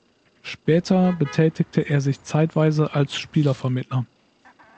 Später betätigte er sich zeitweise als Spielervermittler.